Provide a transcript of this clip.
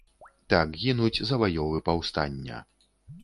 Так гінуць заваёвы паўстання.